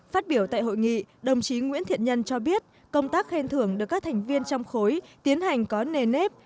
phát biểu tại hội nghị đồng chí nguyễn thiện nhân cho biết công tác khen thưởng được các thành viên trong khối tiến hành có nề nếp